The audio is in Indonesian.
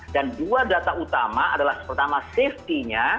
dan dua data utama adalah pertama safety nya